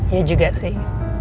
ya juga sih